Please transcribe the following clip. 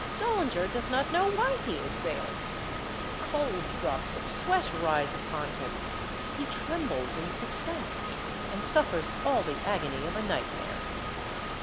Dollinger does not know why he is there. Cold drops of sweat rise upon him ; he trembles in suspense, and suffers all the agony of a nightmare.